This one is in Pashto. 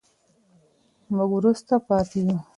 موږ وروسته پاتې يو.